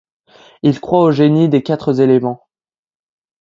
Il croit aux génies des quatre Éléments.